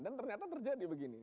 dan ternyata terjadi begini